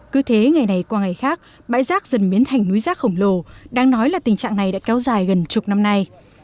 cứ thế ngày này qua ngày khác bãi rác dần biến thành núi rác khổng lồ đang nói là tình trạng này đã kéo dài gần chục năm nay